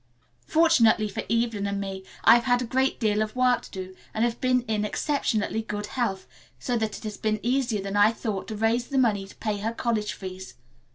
Fortunately, for Evelyn and me, I have had a great deal of work to do and have been in exceptionally good health, so that it has been easier than I thought to raise the money to pay her college fees.